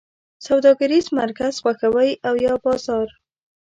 سوداګریز مرکز خوښوی او یا بازار؟